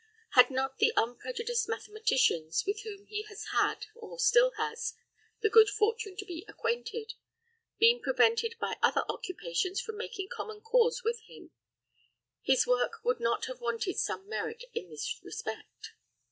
Had not the unprejudiced mathematicians, with whom he has had, or still has, the good fortune to be acquainted, been prevented by other occupations from making common cause with him, his work would not have wanted some merit in this respect.